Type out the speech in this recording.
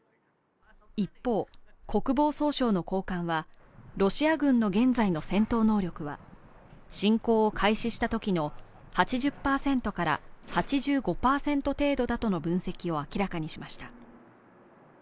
一方、国防総省の高官はロシア軍の現在の戦闘能力は侵攻を開始したときの８０％から８５％程度だとの分析を明らかにしました。